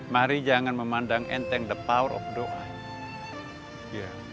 mari jangan memandang enteng the power of doa